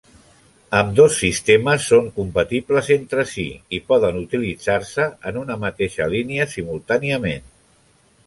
Ambdós sistemes són compatibles entre si i poden utilitzar-se en una mateixa línia simultàniament.